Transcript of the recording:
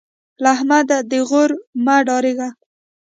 له احمد د غور مه ډارېږه.